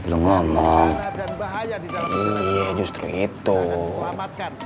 ini ustad ngomongannya ada nyambungnya sama kita nih